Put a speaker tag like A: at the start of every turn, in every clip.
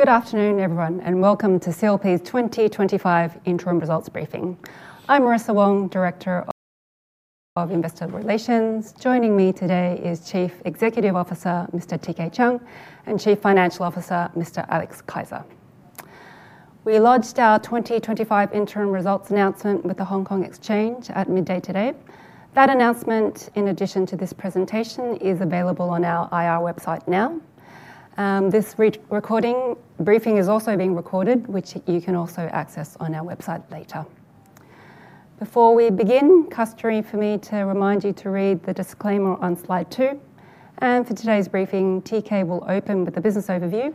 A: Good afternoon, everyone, and welcome to CLP's 2025 interim results briefing. I'm Marissa Wong, Director of Investor Relations. Joining me today is Chief Executive Officer, Mr. T.K. Chiang, and Chief Financial Officer, Mr. Alex Keisser. We launched our 2025 Interim Results Announcement with the Hong Kong Exchange at midday today. That announcement, in addition to this presentation, is available on our IR website now. This briefing is also being recorded, which you can also access on our website later. Before we begin, it's customary for me to remind you to read the disclaimer on slide 2. For today's briefing, T.K. will open with the business overview,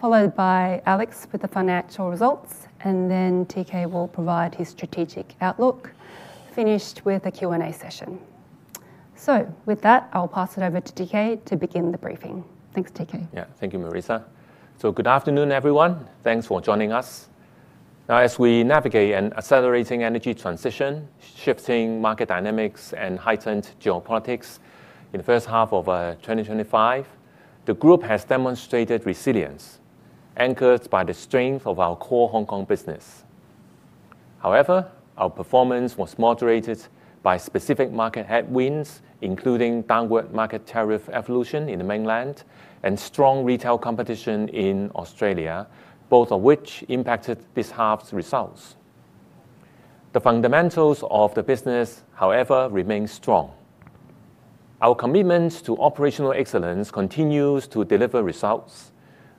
A: followed by Alex with the financial results, and then T.K. will provide his strategic outlook, finished with a Q&A session. With that, I'll pass it over to T.K. to begin the briefing. Thanks, T.K.
B: Thank you, Marissa. Good afternoon, everyone. Thanks for joining us. Now, as we navigate an accelerating energy transition, shifting market dynamics, and heightened geopolitics in the first half of 2025, the group has demonstrated resilience, anchored by the strength of our core Hong Kong business. However, our performance was moderated by specific market headwinds, including downward market tariff evolution in the mainland and strong retail competition in Australia, both of which impacted this half's results. The fundamentals of the business, however, remain strong. Our commitment to operational excellence continues to deliver results.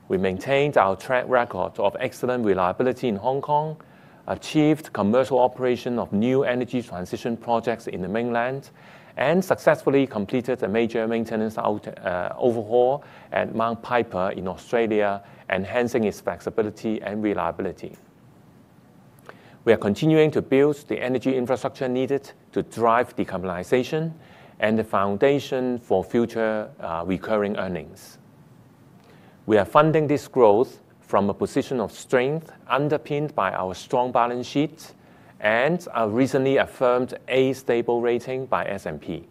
B: We maintained our track record of excellent reliability in Hong Kong, achieved commercial operation of new energy transition projects in the mainland, and successfully completed the major maintenance overhaul at Mount Piper in Australia, enhancing its flexibility and reliability. We are continuing to build the energy infrastructure needed to drive decarbonization and the foundation for future recurring earnings. We are funding this growth from a position of strength, underpinned by our strong balance sheet and our recently affirmed A-stable rating by S&P.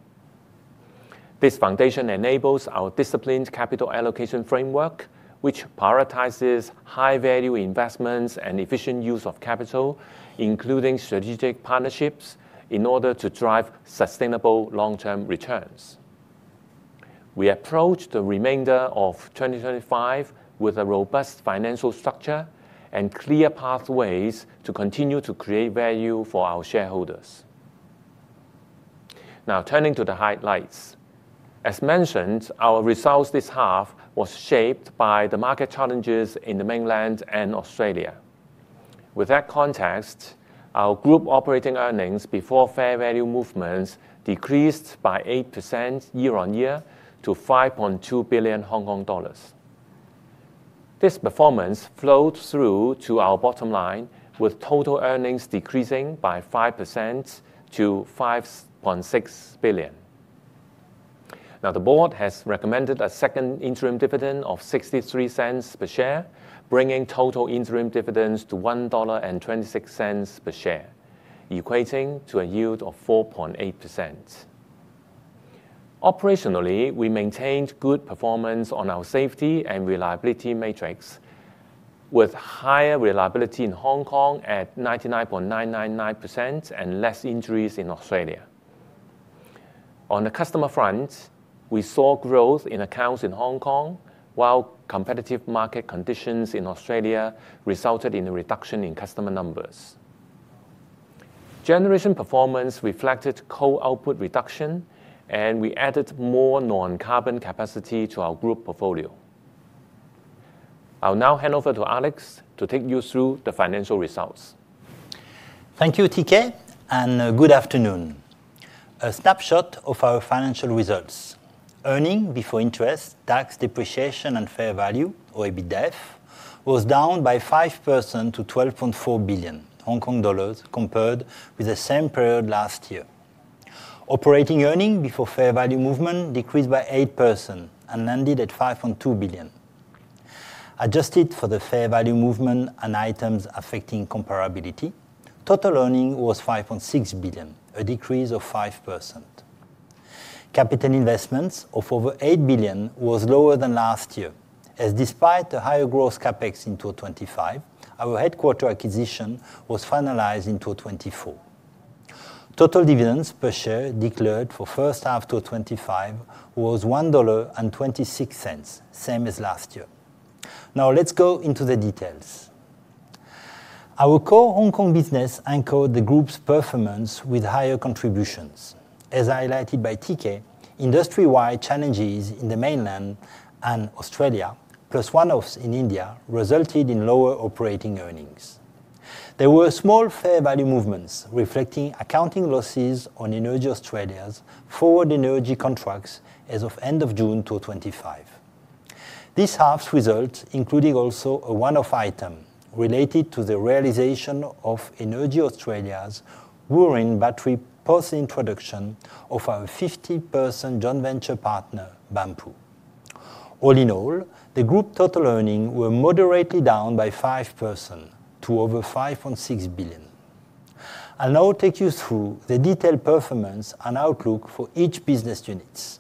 B: This foundation enables our disciplined capital allocation framework, which prioritizes high-value investments and efficient use of capital, including strategic partnerships, in order to drive sustainable long-term returns. We approach the remainder of 2025 with a robust financial structure and clear pathways to continue to create value for our shareholders. Now, turning to the highlights. As mentioned, our results this half were shaped by the market challenges in the mainland and Australia. With that context, our group operating earnings before fair value movements decreased by 8% year-on-year to 5.2 billion Hong Kong dollars. This performance flowed through to our bottom line, with total earnings decreasing by 5% to 5.6 billion. The board has recommended a second interim dividend of $0.63 per share, bringing total interim dividends to $1.26 per share, equating to a yield of 4.8%. Operationally, we maintained good performance on our safety and reliability matrix, with higher reliability in Hong Kong at 99.999% and fewer injuries in Australia. On the customer front, we saw growth in accounts in Hong Kong, while competitive market conditions in Australia resulted in a reduction in customer numbers. Generation performance reflected core output reduction, and we added more non-carbon capacity to our group portfolio. I'll now hand over to Alex to take you through the financial results.
C: Thank you, T.K., and good afternoon. A snapshot of our financial results: earnings before interest, tax, depreciation, and fair value, or EBITDA, was down by 5% to 12.4 billion Hong Kong dollars compared with the same period last year. Operating earnings before fair value movement decreased by 8% and landed at 5.2 billion. Adjusted for the fair value movement and items affecting comparability, total earnings were 5.6 billion, a decrease of 5%. Capital investments of over 8 billion were lower than last year, as despite a higher gross CapEx in 2025, our headquarters acquisition was finalized in 2024. Total dividends per share declared for the first half of 2025 were $1.26, same as last year. Now, let's go into the details. Our core Hong Kong business anchored the group's performance with higher contributions. As highlighted by T.K., industry-wide challenges in Mainland China and Australia, plus one-offs in India, resulted in lower operating earnings. There were small fair value movements reflecting accounting losses on EnergyAustralia's forward energy contracts as of the end of June 2025. This half's results included also a one-off item related to the realization of EnergyAustralia's Roaring battery post-introduction of our 50% joint venture partner, Banpu. All in all, the Group Total Earnings were moderately down by 5% to over 5.6 billion. I'll now take you through the detailed performance and outlook for each business unit.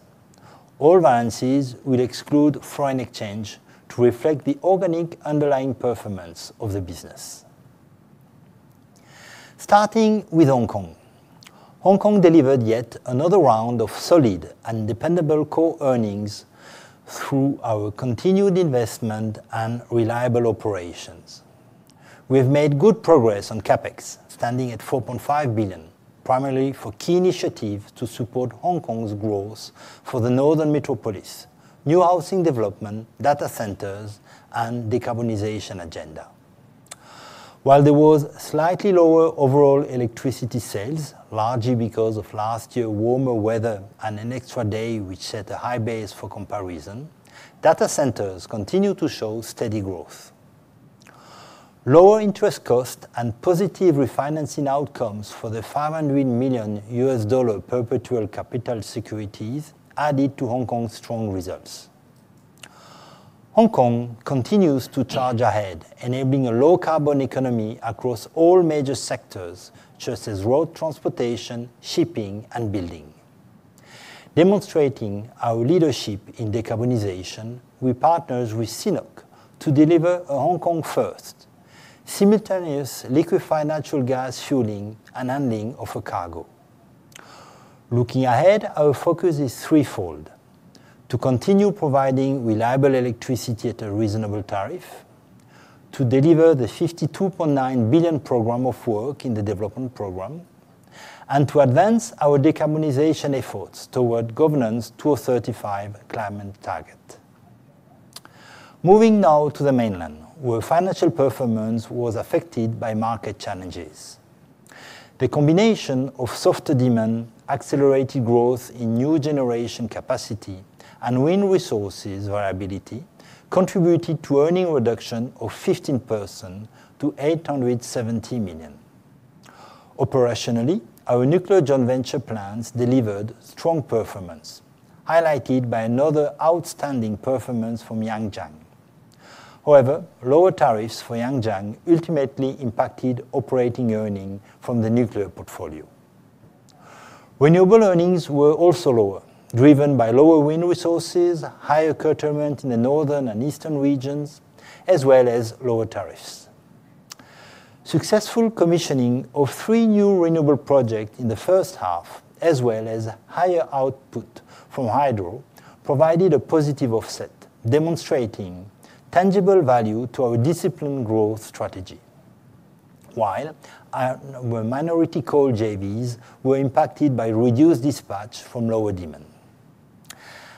C: All balances will exclude foreign exchange to reflect the organic underlying performance of the business. Starting with Hong Kong, Hong Kong delivered yet another round of solid and dependable core earnings through our continued investment and reliable operations. We have made good progress on CapEx, standing at 4.5 billion, primarily for key initiatives to support Hong Kong's growth for the Northern Metropolis, new housing development, data centers, and the decarbonization agenda. While there were slightly lower overall electricity sales, largely because of last year's warmer weather and an extra day which set a high base for comparison, data centers continue to show steady growth. Lower interest costs and positive refinancing outcomes for the 500 million US dollar perpetual capital securities added to Hong Kong's strong results. Hong Kong continues to charge ahead, enabling a low-carbon economy across all major sectors, just as road transportation, shipping, and building. Demonstrating our leadership in decarbonization, we partnered with CNOOC to deliver a Hong Kong-first, simultaneous Liquefied Natural Gas fueling and handling of cargo. Looking ahead, our focus is threefold: to continue providing reliable electricity at a reasonable tariff, to deliver the $52.9 billion program of work in the Development Program, and to advance our decarbonization efforts toward government's 2035 climate target. Moving now to Mainland China, where financial performance was affected by market challenges. The combination of softer demand, accelerated growth in new generation capacity, and wind resources viability contributed to earnings reductions of 15% to $870 million. Operationally, our nuclear joint venture plants delivered strong performance, highlighted by another outstanding performance from Yangjiang. However, lower tariffs for Yangjiang ultimately impacted operating earnings from the nuclear portfolio. Renewable earnings were also lower, driven by lower wind resources, higher curtailment in the northern and eastern regions, as well as lower tariffs. Successful commissioning of three new renewable projects in the first half, as well as higher output from Hydro, provided a positive offset, demonstrating tangible value to our disciplined growth strategy. While our minority core JVs were impacted by reduced dispatch from lower demand.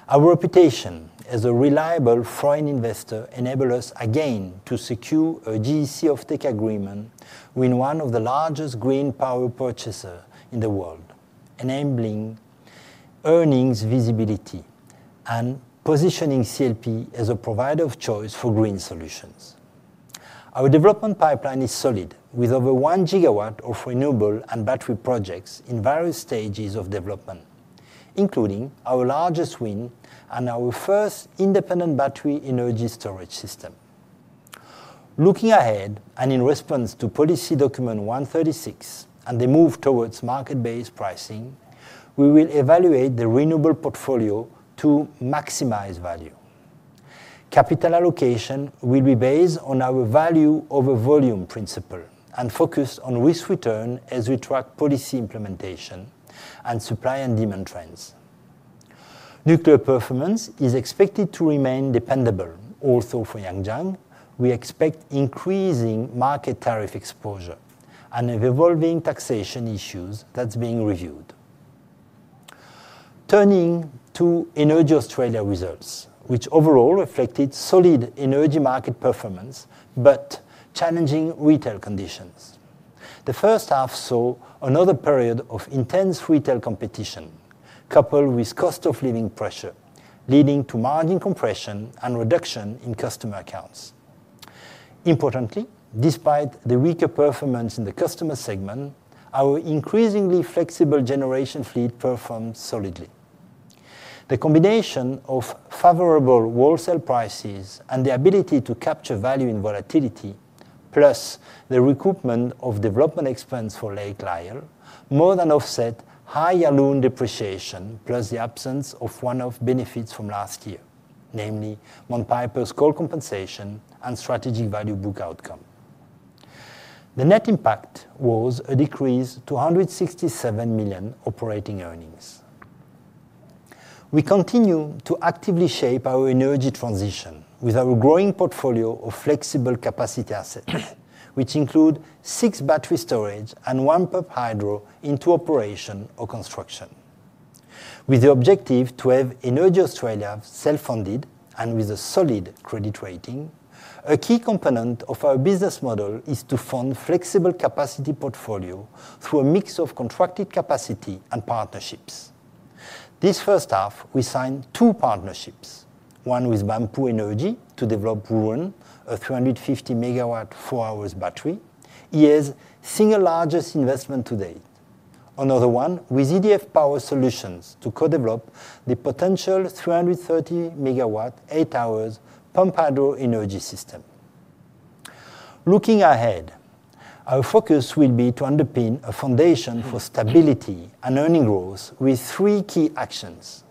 C: Our reputation as a reliable foreign investor enabled us again to secure a GEC off-take agreement with one of the largest green power purchasers in the world, enabling earnings visibility and positioning CLP as a provider of choice for green solutions. Our development pipeline is solid, with over 1 GW of renewable and battery projects in various stages of development, including our largest wind and our first Independent Battery Energy Storage System. Looking ahead, and in response to Policy Document 136 and the move towards market-based pricing, we will evaluate the renewable portfolio to maximize value. Capital allocation will be based on our value over volume principle and focus on risk return as we track policy implementation and supply and demand trends. Nuclear performance is expected to remain dependable, also for Yangjiang. We expect increasing market tariff exposure and evolving taxation issues that are being reviewed. Turning to EnergyAustralia results, which overall reflected solid energy market performance but challenging retail conditions. The first half saw another period of intense retail competition, coupled with cost of living pressure, leading to margin compression and reduction in customer accounts. Importantly, despite the weaker performance in the customer segment, our increasingly flexible generation fleet performed solidly. The combination of favorable wholesale prices and the ability to capture value in volatility, plus the recoupment of development expense for Lake Lyell, more than offset higher loan depreciation, plus the absence of one-off benefits from last year, namely Mount Piper's coal compensation and strategic value book outcome. The net impact was a decrease to $167 million operating earnings. We continue to actively shape our Energy Transition with our growing portfolio of flexible capacity assets, which include six battery storage and one pumped hydro into operation or construction. With the objective to have EnergyAustralia self-funded and with a solid credit rating, a key component of our business model is to fund a flexible capacity portfolio through a mix of contracted capacity and partnerships. This first half, we signed two partnerships: one with Banpu Energy to develop Roon, a 350 MW 4-hour battery, EA's single largest investment to date. Another one with EDF Power Solutions to co-develop the potential 330 MW 8-hour Pumped Hydro Energy System. Looking ahead, our focus will be to underpin a foundation for stability and earning growth with three key actions: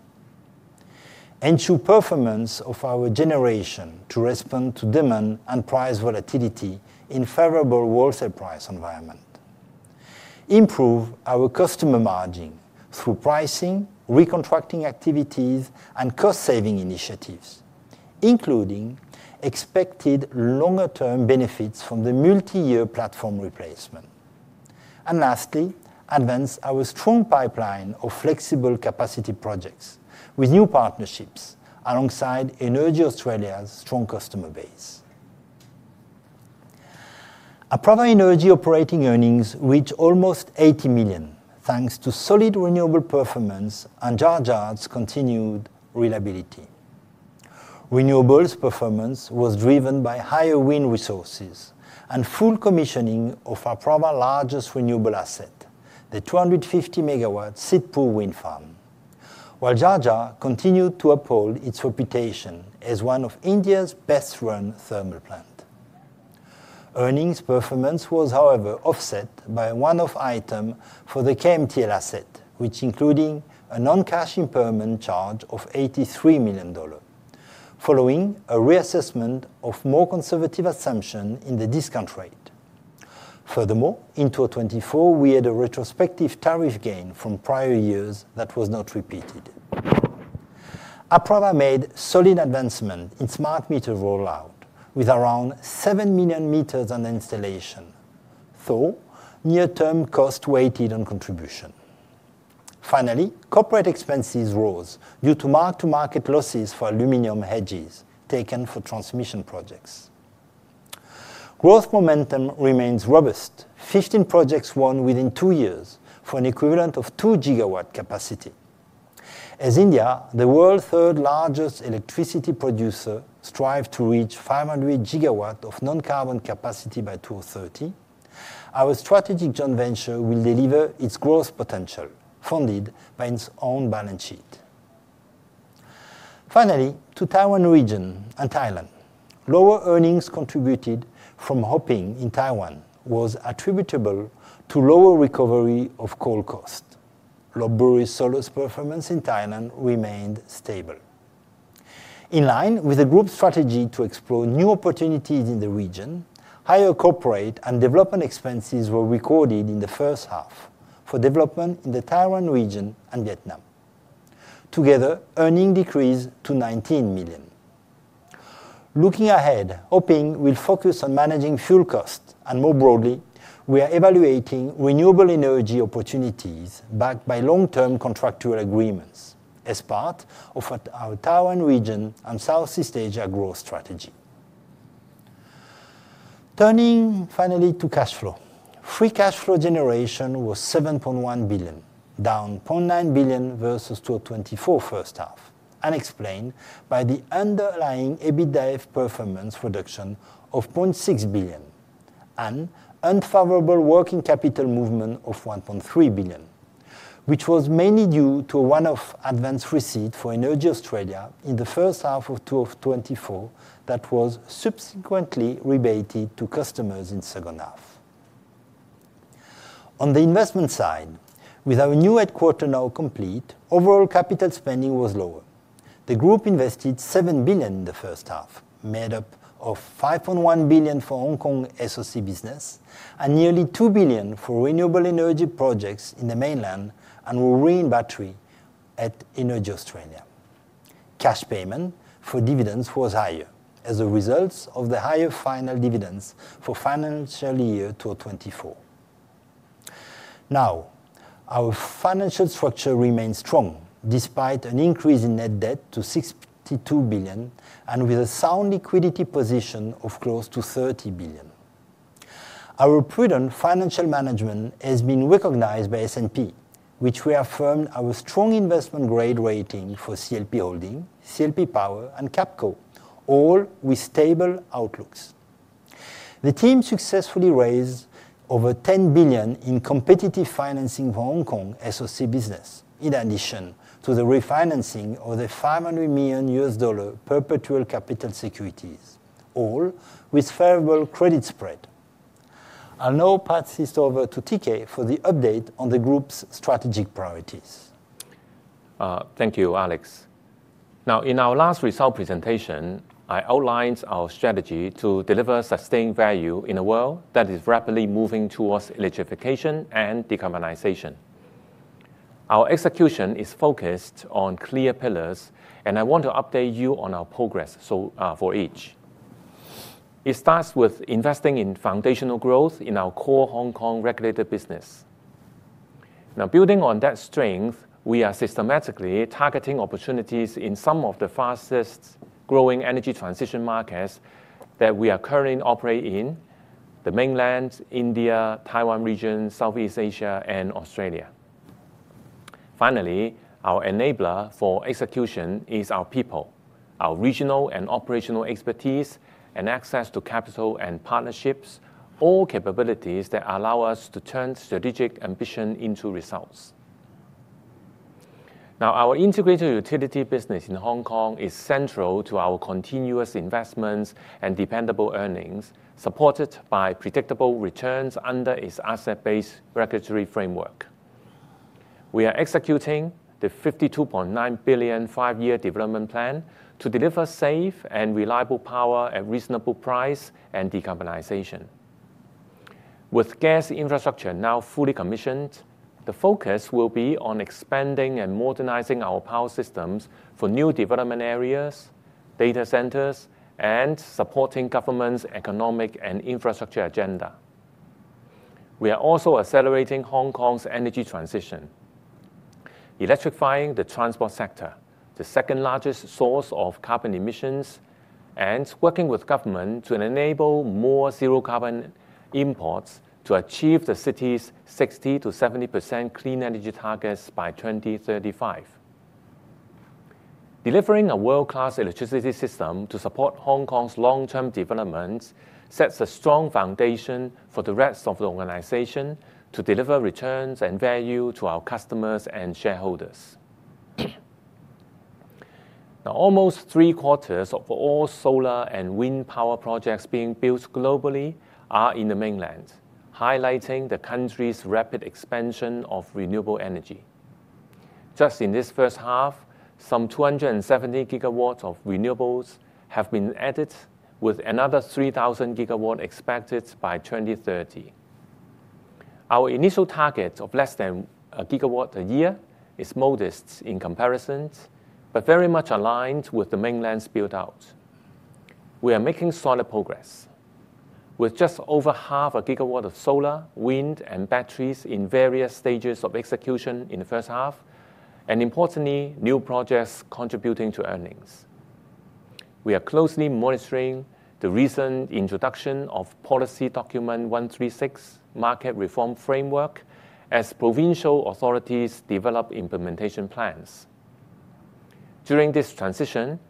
C: ensure performance of our generation to respond to demand and price volatility in a favorable wholesale price environment; improve our customer margin through pricing, recontracting activities, and cost-saving initiatives, including expected longer-term benefits from the multiyear platform replacement; and lastly, advance our strong pipeline of flexible capacity projects with new partnerships alongside EnergyAustralia's strong customer base. Our product energy operating earnings reached almost $80 million, thanks to solid renewable performance and Jhajjar's continued reliability. Renewables performance was driven by higher wind resources and full commissioning of our product's largest renewable asset, the 250 MW Sidhpur wind farm, while Jhajjar continued to uphold its reputation as one of India's best-run thermal plants. Earnings performance was, however, offset by a one-off item for the KMTL asset, which included a non-cash impairment charge of 83 million dollars, following a reassessment of a more conservative assumption in the discount rate. Furthermore, in 2024, we had a retrospective tariff gain from prior years that was not repeated. Our product made solid advancements in smart meter rollout, with around 7 million m under installation, though near-term costs weighed on contribution. Finally, corporate expenses rose due to mark-to-market losses for aluminum hedges taken for transmission projects. Growth momentum remains robust, 15 projects won within two years for an equivalent of 2 GW capacity. As India, the world's third-largest electricity producer, strives to reach 500 GW of non-carbon capacity by 2030, our strategic joint venture will deliver its growth potential, funded by its own balance sheet. Finally, to the Taiwan region and Thailand, lower earnings contributed from HOPING in Taiwan were attributable to a lower recovery of coal costs. Low-barreled solar performance in Thailand remained stable. In line with the group's strategy to explore new opportunities in the region, higher corporate and development expenses were recorded in the first half for development in the Taiwan region and Vietnam. Together, earnings decreased to 19 million. Looking ahead, HOPING will focus on managing fuel costs, and more broadly, we are evaluating renewable energy opportunities backed by long-term contractual agreements as part of our Taiwan region and Southeast Asia growth strategy. Turning finally to cash flow. Free cash flow generation was 7.1 billion, down 0.9 billion versus 2024 first half, and explained by the underlying EBITDA performance reduction of 0.6 billion and unfavorable working capital movement of 1.3 billion, which was mainly due to a one-off advance receipt for EnergyAustralia in the first half of 2024 that was subsequently rebated to customers in the second half. On the investment side, with our new headquarters now complete, overall capital spending was lower. The group invested 7 billion in the first half, made up of 5.1 billion for Hong Kong SOC business and nearly 2 billion for renewable energy projects in the mainland and wind battery at EnergyAustralia. Cash payment for dividends was higher as a result of the higher final dividends for the financial year 2024. Now, our financial structure remains strong despite an increase in net debt to 62 billion and with a sound liquidity position of close to 30 billion. Our prudent financial management has been recognized by S&P, which reaffirmed our strong investment-grade rating for CLP Holdings, CLP Power, and CAPCO, all with stable outlooks. The team successfully raised over 10 billion in competitive financing for Hong Kong SOC business, in addition to the refinancing of the 500 million US dollar perpetual capital securities, all with a favorable credit spread. I'll now pass this over to T.K. for the update on the group's strategic priorities.
B: Thank you, Alex. Now, in our last result presentation, I outlined our strategy to deliver sustained value in a world that is rapidly moving towards electrification and decarbonization. Our execution is focused on clear pillars, and I want to update you on our progress for each. It starts with investing in foundational growth in our core Hong Kong regulated business. Building on that strength, we are systematically targeting opportunities in some of the fastest-growing energy transition markets that we are currently operating in: the mainland, India, Taiwan region, Southeast Asia, and Australia. Finally, our enabler for execution is our people, our regional and operational expertise, and access to capital and partnerships, all capabilities that allow us to turn strategic ambition into results. Our integrated utility business in Hong Kong is central to our continuous investments and dependable earnings, supported by predictable returns under its asset-based regulatory framework. We are executing the 52.9 billion five-year development plan to deliver safe and reliable power at a reasonable price and decarbonization. With gas infrastructure now fully commissioned, the focus will be on expanding and modernizing our power systems for new development areas, data centers, and supporting government's economic and infrastructure agenda. We are also accelerating Hong Kong's Energy Transition, electrifying the transport sector, the second-largest source of carbon emissions, and working with government to enable more zero-carbon imports to achieve the city's 60%-70% clean energy targets by 2035. Delivering a world-class electricity system to support Hong Kong's long-term development sets a strong foundation for the rest of the organization to deliver returns and value to our customers and shareholders. Almost three-quarters of all Solar and Wind Power projects being built globally are in the mainland, highlighting the country's rapid expansion of renewable energy. Just in this first half, some 270 GW of renewables have been added, with another 3,000 GW expected by 2030. Our initial target of less than a 1 GW a year is modest in comparison but very much aligned with the mainland's build-out. We are making solid progress, with just over a 0.5 GW of solar, wind, and batteries in various stages of execution in the first half, and importantly, new projects contributing to earnings. We are closely monitoring the recent introduction of Policy Document 136 market reform framework as provincial authorities develop implementation plans. During this transition,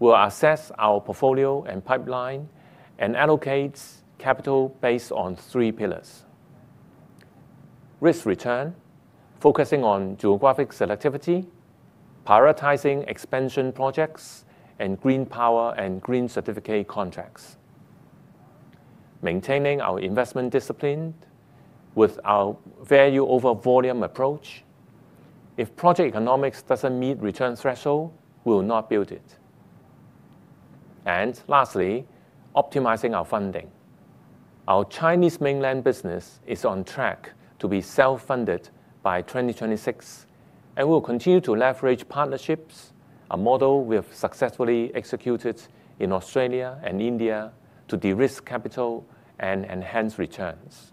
B: we'll assess our portfolio and pipeline and allocate capital based on three pillars: risk return, focusing on geographic selectivity, prioritizing expansion projects, and green power and green certificate contracts. Maintaining our investment discipline with our value over volume approach. If project economics doesn't meet the return threshold, we'll not build it. Lastly, optimizing our funding. Our Chinese Mainland business is on track to be self-funded by 2026, and we'll continue to leverage partnerships, a model we have successfully executed in Australia and India, to de-risk capital and enhance returns.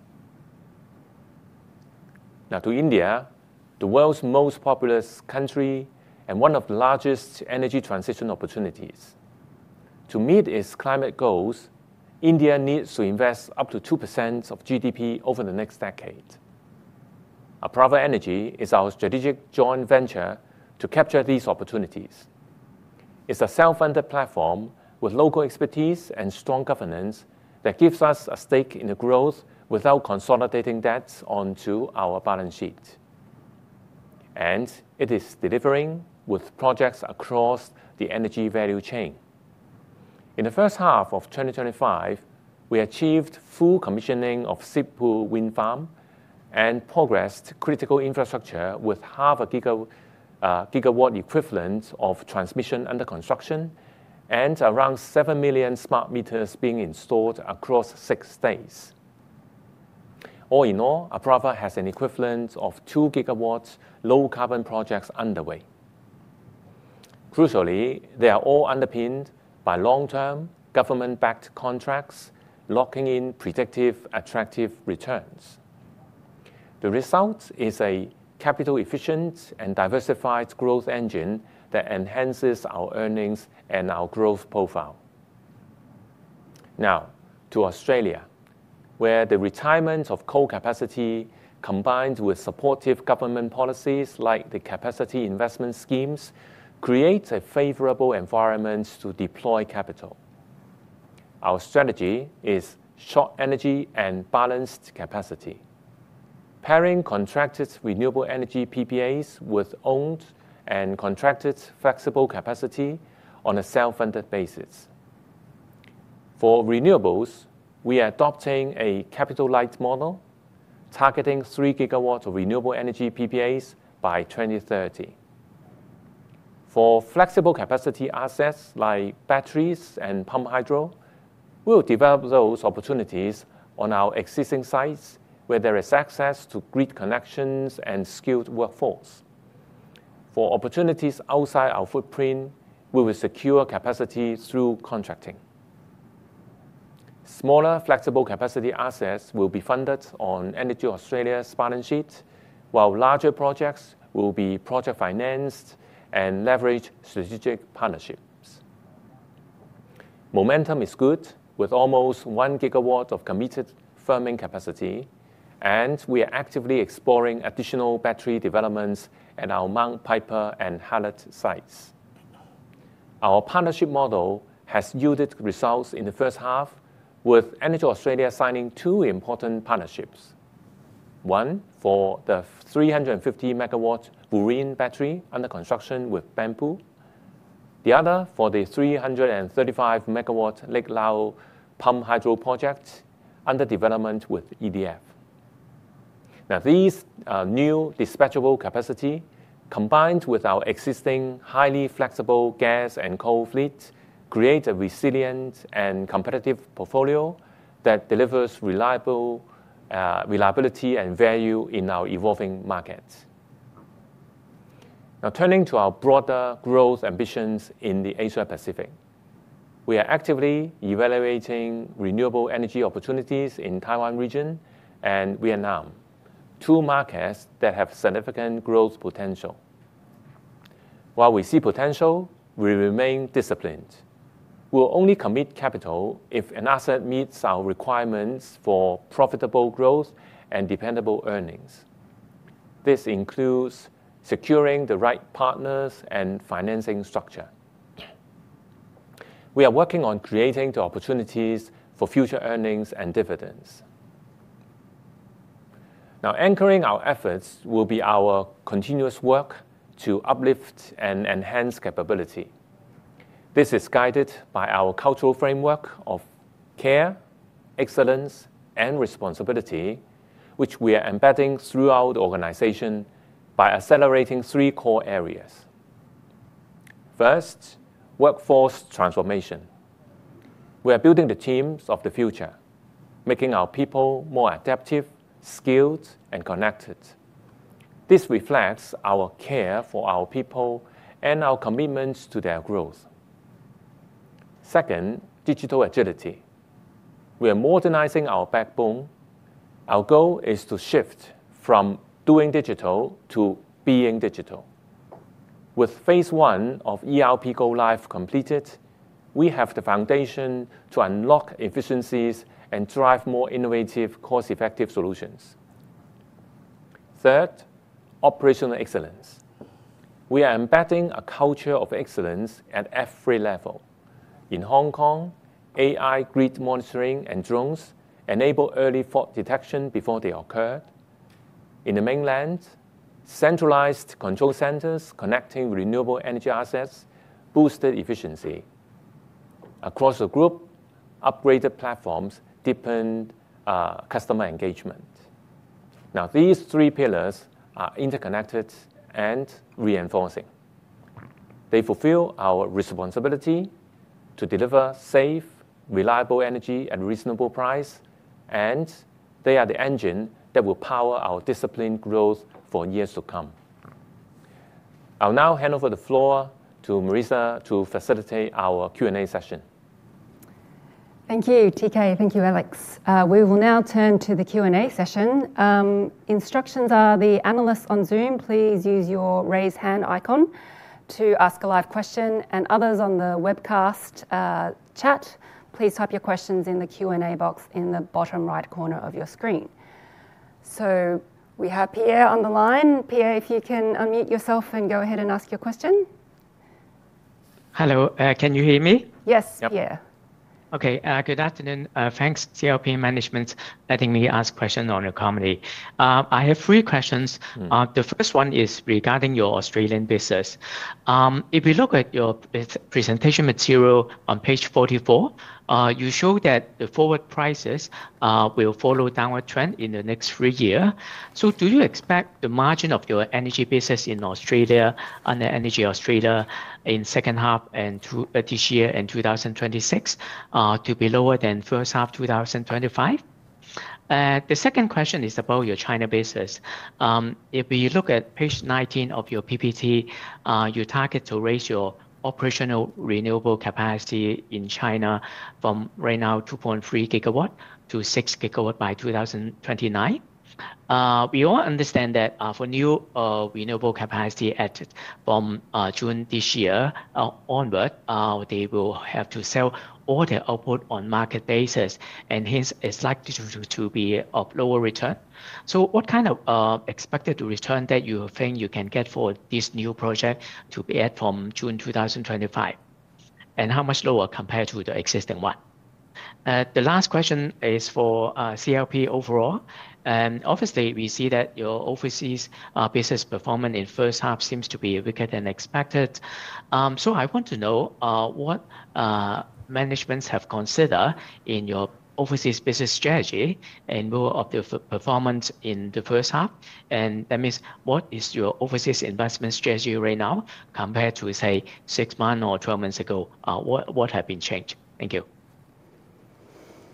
B: Now, to India, the world's most populous country and one of the largest energy transition opportunities. To meet its climate goals, India needs to invest up to 2% of GDP over the next decade. Apraava Energy is our strategic joint venture to capture these opportunities. It's a self-funded platform with local expertise and strong governance that gives us a stake in the growth without consolidating debts onto our balance sheet. It is delivering with projects across the energy value chain. In the first half of 2025, we achieved full commissioning of Sidhpur wind farm and progressed critical infrastructure with 0.5 GW equivalent of transmission under construction and around 7 million smart meters being installed across six states. All in all, Apraava has an equivalent of 2 GW low-carbon projects underway. Crucially, they are all underpinned by long-term government-backed contracts locking in predictive, attractive returns. The result is a capital-efficient and diversified growth engine that enhances our earnings and our growth profile. Now, to Australia, where the retirement of core capacity combined with supportive government policies like the Capacity Investment Schemes creates a favorable environment to deploy capital. Our strategy is short energy and balanced capacity, pairing contracted renewable energy PPAs with owned and contracted flexible capacity on a self-funded basis. For renewables, we are adopting a capital-light model, targeting 3 GW of renewable energy PPAs by 2030. For flexible capacity assets like Batteries and Pumped Hydro, we'll develop those opportunities on our existing sites where there is access to grid connections and skilled workforce. For opportunities outside our footprint, we will secure capacity through contracting. Smaller flexible capacity assets will be funded on EnergyAustralia's balance sheet, while larger projects will be project financed and leverage strategic partnerships. Momentum is good, with almost 1 GW of committed firming capacity, and we are actively exploring additional battery developments at our Mount Piper and Hallett sites. Our partnership model has yielded results in the first half, with EnergyAustralia signing two important partnerships: one for the 350 MW Boreen battery under construction with Banpu, the other for the 335-megawatt Lake Lyell pumped hydro project under development with EDF Power Solutions. These new dispatchable capacity, combined with our existing highly flexible gas and coal fleet, create a resilient and competitive portfolio that delivers reliability and value in our evolving markets. Now, turning to our broader growth ambitions in the Asia-Pacific region, we are actively evaluating renewable energy opportunities in the Taiwan region and Vietnam, two markets that have significant growth potential. While we see potential, we remain disciplined. We'll only commit capital if an asset meets our requirements for profitable growth and dependable earnings. This includes securing the right partners and financing structure. We are working on creating the opportunities for future earnings and dividends. Anchoring our efforts will be our continuous work to uplift and enhance capability. This is guided by our cultural framework of care, excellence, and responsibility, which we are embedding throughout the organization by accelerating three core areas. First, Workforce Transformation. We are building the teams of the future, making our people more adaptive, skilled, and connected. This reflects our care for our people and our commitment to their growth. Second, Digital Agility. We are modernizing our backbone. Our goal is to shift from doing digital to being digital. With phase one of ERP go-live completed, we have the foundation to unlock efficiencies and drive more innovative, cost-effective solutions. Third, Operational Excellence. We are embedding a culture of excellence at every level. In Hong Kong, AI grid monitoring and drones enabled early fault detection before they occurred. In the mainland, centralized control centers connecting renewable energy assets boosted efficiency. Across the group, upgraded platforms deepened customer engagement. These three pillars are interconnected and reinforcing. They fulfill our responsibility to deliver safe, reliable energy at a reasonable price, and they are the engine that will power our disciplined growth for years to come. I'll now hand over the floor to Marissa to facilitate our Q&A session.
A: Thank you, T.K. Thank you, Alex. We will now turn to the Q&A session. Instructions are the analysts on Zoom, please use your raise hand icon to ask a live question, and others on the webcast chat, please type your questions in the Q&A box in the bottom right corner of your screen. We have Pierre on the line. Pierre, if you can unmute yourself and go ahead and ask your question.
D: Hello. Can you hear me?
A: Yes, Pierre.
D: OK. Good afternoon. Thanks, CLP management, letting me ask questions on economy. I have three questions. The first one is regarding your Australian business. If we look at your presentation material on page 44, you show that the forward prices will follow a downward trend in the next three years. Do you expect the margin of your energy business in Australia under EnergyAustralia in the second half of this year and 2026 to be lower than the first half of 2025? The second question is about your China business. If we look at page 19 of your PPT, you target to raise your operational renewable capacity in China from right now 2.3 GW to 6 GW by 2029. We all understand that for new renewable capacity added from June this year onward, they will have to sell all their output on a market basis, and hence it's likely to be of lower return. What kind of expected return that you think you can get for this new project to be added from June 2025, and how much lower compared to the existing one? The last question is for CLP overall. Obviously, we see that your overseas business performance in the first half seems to be weaker than expected. I want to know what managements have considered in your overseas business strategy in view of the performance in the first half, and that means what is your overseas investment strategy right now compared to, say, six months or 12 months ago? What has been changed? Thank you.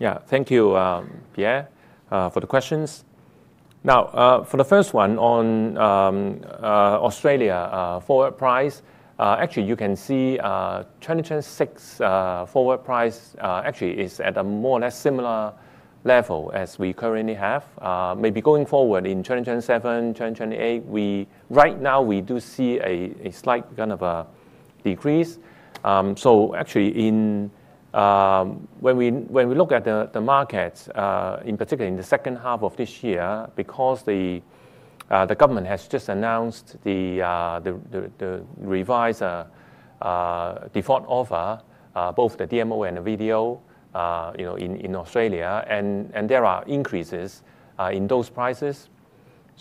B: Yeah, thank you, Pierre, for the questions. Now, for the first one on Australia forward price, actually, you can see 2026 forward price actually is at a more or less similar level as we currently have. Maybe going forward in 2027, 2028, right now we do see a slight kind of a decrease. Actually, when we look at the markets, in particular in the second half of this year, because the government has just announced the revised default offer, both the DMO and the VDO in Australia, and there are increases in those prices.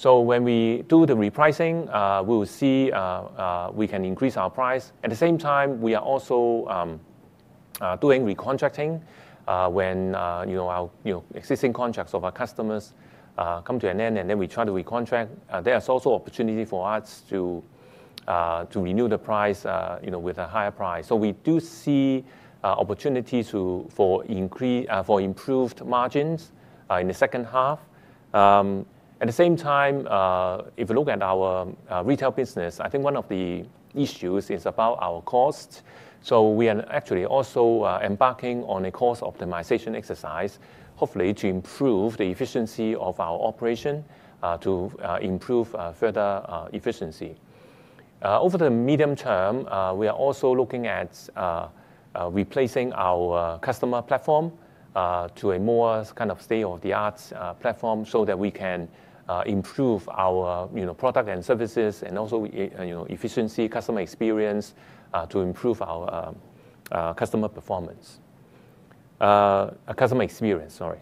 B: When we do the repricing, we'll see we can increase our price. At the same time, we are also doing recontracting when our existing contracts of our customers come to an end, and then we try to recontract. There is also an opportunity for us to renew the price with a higher price. We do see opportunities for improved margins in the second half. At the same time, if you look at our retail business, I think one of the issues is about our cost. We are actually also embarking on a cost optimization exercise, hopefully to improve the efficiency of our operation, to improve further efficiency. Over the medium-term, we are also looking at replacing our customer platform to a more kind of state-of-the-art platform so that we can improve our product and services and also efficiency, customer experience to improve our customer performance. Customer experience, sorry.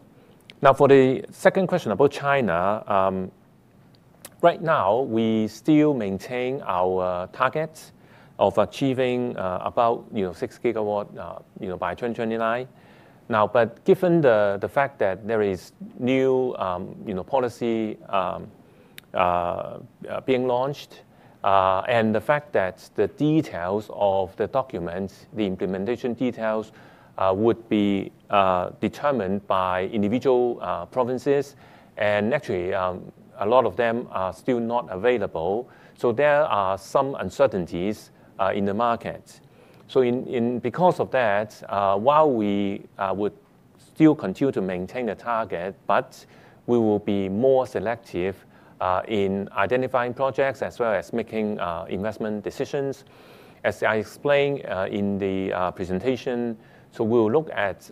B: Now, for the second question about China, right now we still maintain our target of achieving about 6 GW by 2029. Given the fact that there is new policy being launched and the fact that the details of the documents, the implementation details would be determined by individual provinces, and actually, a lot of them are still not available, there are some uncertainties in the markets. Because of that, while we would still continue to maintain the target, we will be more selective in identifying projects as well as making investment decisions, as I explained in the presentation. We will look at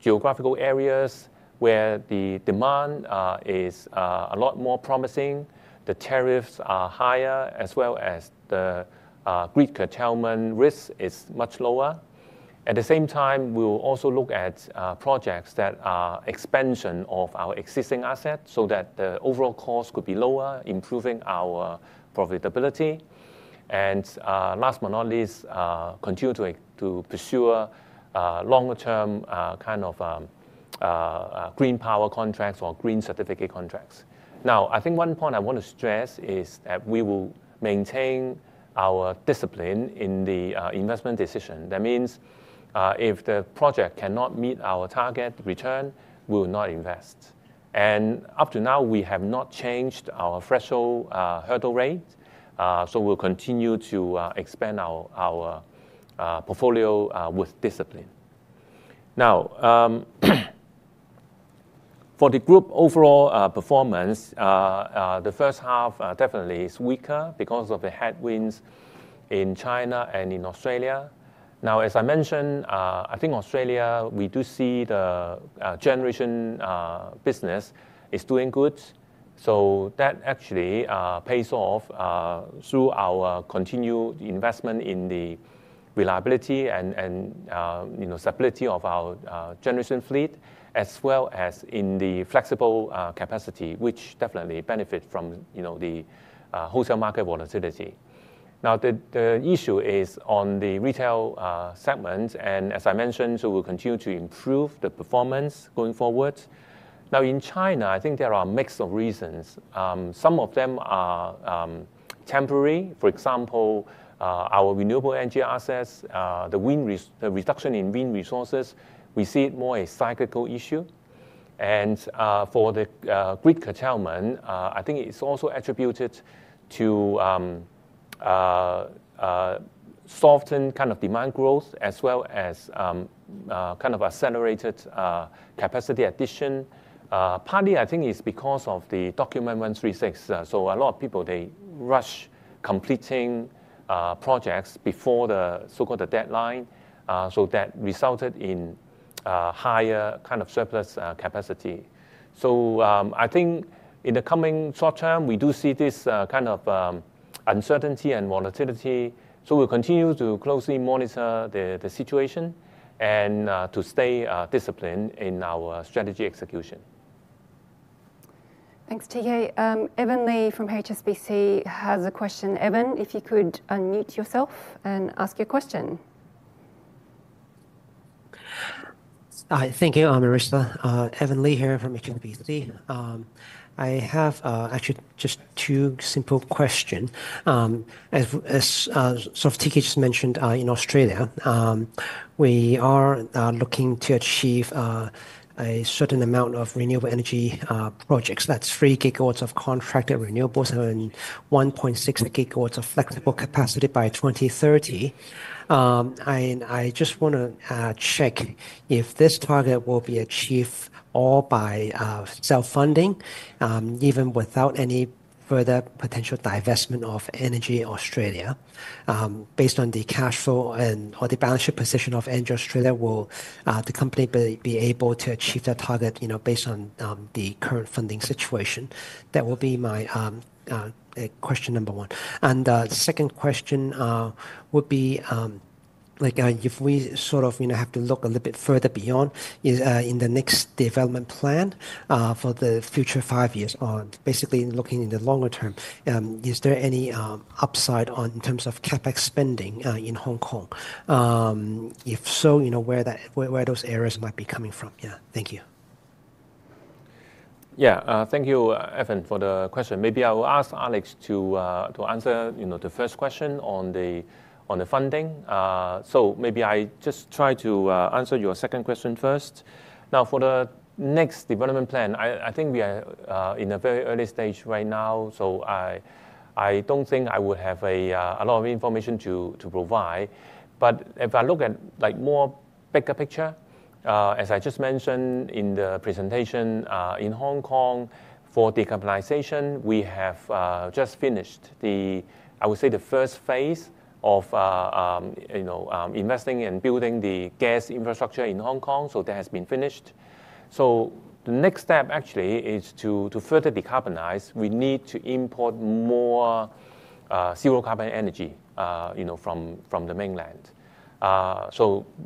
B: geographical areas where the demand is a lot more promising, the tariffs are higher, as well as the grid curtailment risk is much lower. At the same time, we will also look at projects that are an expansion of our existing assets so that the overall cost could be lower, improving our profitability. Last but not least, continue to pursue longer-term kind of Green Power contracts or Green Certificate contracts. Now, I think one point I want to stress is that we will maintain our discipline in the investment decision. That means if the project cannot meet our target return, we will not invest. Up to now, we have not changed our threshold hurdle rate, so we'll continue to expand our portfolio with discipline. Now, for the group overall performance, the first half definitely is weaker because of the headwinds in China and in Australia. As I mentioned, I think in Australia, we do see the generation business is doing good. That actually pays off through our continued investment in the reliability and stability of our generation fleet, as well as in the flexible capacity, which definitely benefits from the wholesale market volatility. The issue is on the retail segments, and as I mentioned, we'll continue to improve the performance going forward. In China, I think there are a mix of reasons. Some of them are temporary. For example, our renewable energy assets, the reduction in wind resources, we see it more as a cyclical issue. For the Grid Curtailment, I think it's also attributed to softened kind of demand growth, as well as kind of accelerated capacity addition. Partly, I think it's because of Document 136. A lot of people, they rush completing projects before the so-called deadline, so that resulted in higher kind of surplus capacity. I think in the coming short-term, we do see this kind of uncertainty and volatility. We'll continue to closely monitor the situation and to stay disciplined in our strategy execution.
A: Thanks, T.K. Evan Li from HSBC has a question. Evan, if you could unmute yourself and ask your question.
E: Hi, thank you, Marissa. Evan Li here from HSBC. I have actually just two simple questions. As T.K. just mentioned, in Australia, we are looking to achieve a certain amount of renewable energy projects. That's 3 GW of contracted renewables and 1.6 GW of flexible capacity by 2030. I just want to check if this target will be achieved all by self-funding, even without any further potential divestment of EnergyAustralia. Based on the cash flow and the balance sheet position of EnergyAustralia, will the company be able to achieve that target based on the current funding situation? That will be my question number one. The second question would be, if we sort of have to look a little bit further beyond in the next development plan for the future five years, or basically looking in the longer-term, is there any upside in terms of CapEx spending in Hong Kong? If so, where those areas might be coming from? Thank you.
B: Yeah, thank you, Evan, for the question. Maybe I'll ask Alex to answer the first question on the funding. I'll try to answer your second question first. Now, for the next development plan, I think we are in a very early stage right now, so I don't think I would have a lot of information to provide. If I look at, like, more bigger picture, as I just mentioned in the presentation, in Hong Kong for decarbonization, we have just finished the, I would say, the first phase of investing and building the gas infrastructure in Hong Kong. That has been finished. The next step actually is to further decarbonize. We need to import more zero-carbon energy from the mainland.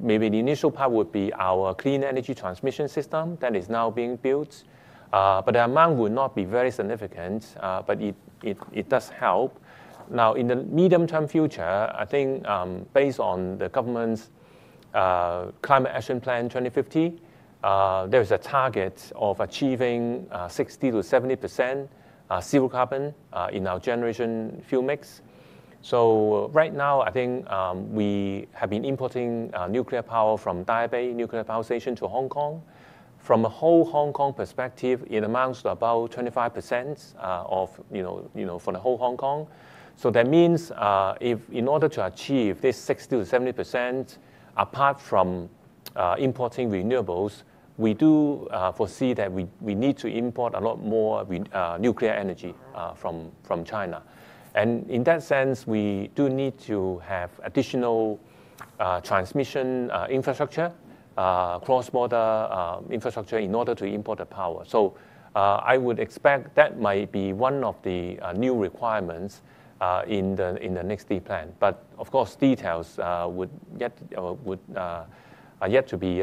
B: Maybe the initial part would be our Clean Energy Transmission System that is now being built. The amount will not be very significant, but it does help. In the medium-term future, I think based on the government's Climate Action Plan 2050, there is a target of achieving 60%-70% zero carbon in our generation fuel mix. Right now, I think we have been importing nuclear power from Daya Bay Nuclear Power Station to Hong Kong. From a whole Hong Kong perspective, it amounts to about 25% for the whole Hong Kong. That means if in order to achieve this 60%-70%, apart from importing renewables, we do foresee that we need to import a lot more nuclear energy from China. In that sense, we do need to have additional transmission infrastructure, cross-border infrastructure in order to import the power. I would expect that might be one of the new requirements in the next plan. Of course, details are yet to be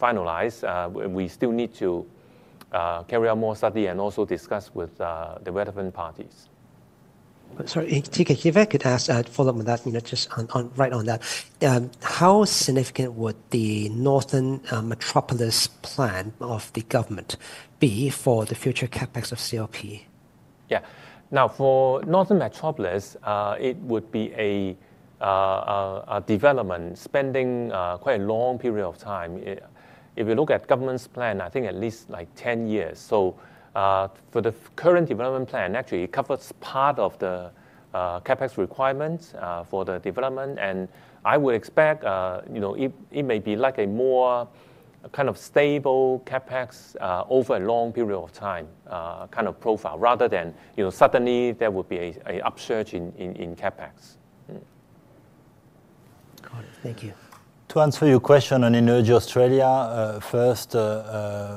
B: finalized. We still need to carry out more study and also discuss with the relevant parties.
E: Sorry, T.K., if I could ask, I'd follow up with that, just right on that. How significant would the Northern Metropolis plan of the government be for the future CapEx of CLP?
B: Yeah. Now, for Northern Metropolis, it would be a development spending quite a long period of time. If we look at the government's plan, I think at least like 10 years. For the current development plan, actually, it covers part of the CapEx requirements for the development. I would expect it may be like a more kind of stable CapEx over a long period of time kind of profile, rather than suddenly there would be an upsurge in CapEx.
E: Got it. Thank you.
C: To answer your question on EnergyAustralia, first,